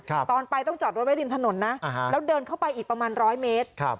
ตอนไปต้องจอดรถไว้ริมถนนนะอ่าฮะแล้วเดินเข้าไปอีกประมาณร้อยเมตรครับ